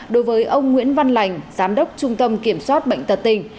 đối với ông nguyễn văn lành giám đốc trung tâm kiểm soát bệnh tật tỉnh